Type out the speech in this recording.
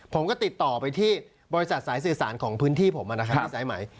ผมก็ติดต่อไปที่บริษัทสายสื่อสารของพื้นที่ผมนะครับที่สายไหม